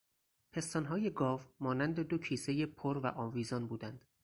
پستانهای گاو، مانند دو کیسهی پر و آویزان بودند.